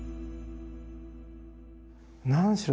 何しろ